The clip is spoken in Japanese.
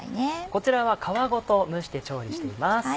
こちらは皮ごと蒸して調理しています。